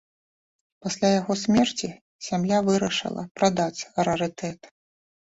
Пасля яго смерці сям'я вырашыла прадаць рарытэт.